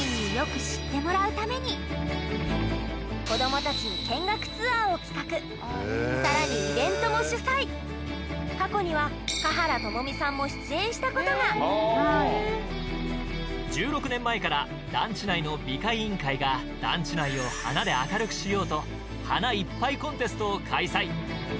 鉄鋼団地は市民にを企画さらに過去には華原朋美さんも出演したことが１６年前から団地内の美化委員会が団地内を花で明るくしようと花いっぱいコンテストを開催